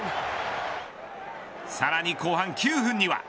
さらに後半９分には。